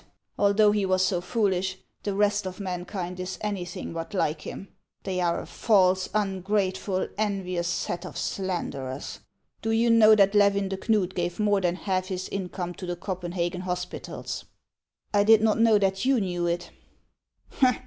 Although he was so foolish, the rest of mankind is anything but like him. They are a false, ungrateful, envious set of slanderers. Do you know that Levin de Knud gave more than half his income to the Copenhagen hospitals ?"" I did not know that you knew it."